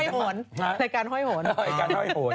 รายการห้อยห่น